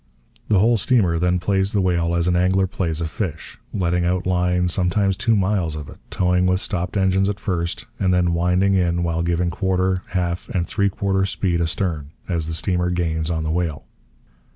The whole steamer then plays the whale as an angler plays a fish, letting out line sometimes two miles of it towing with stopped engines at first, and then winding in while giving quarter, half, and three quarter speed astern, as the steamer gains on the whale.